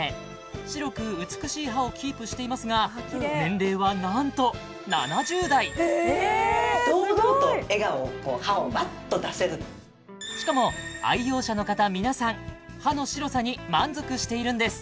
白く美しい歯をキープしていますが年齢は何と７０代堂々と笑顔を歯をワッと出せるしかも愛用者の方皆さん歯の白さに満足しているんです